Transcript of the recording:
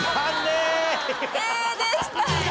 Ａでした。